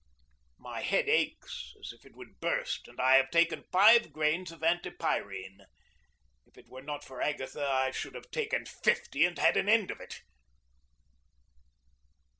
My head aches as if it would burst, and I have taken five grains of antipyrine. If it were not for Agatha, I should have taken fifty and had an end of it.